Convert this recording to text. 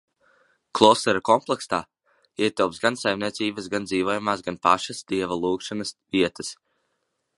Klostera kompleksā ietilpst gan saimniecības, gan dzīvojamās, gan pašas Dieva lūgšanas vietas.